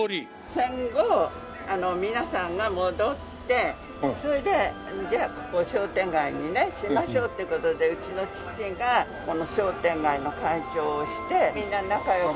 戦後皆さんが戻ってそれでじゃあここを商店街にしましょうっていう事でうちの父がこの商店街の会長をしてみんな仲良く。